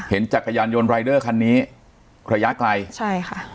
จักรยานยนต์รายเดอร์คันนี้ระยะไกลใช่ค่ะ